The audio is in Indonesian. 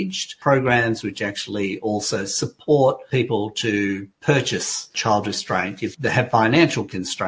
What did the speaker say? jika mereka memiliki penyelamatan finansial